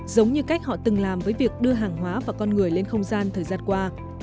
giống như cách họ từng làm với việc đưa hàng hóa và con người lên không gian thời gian qua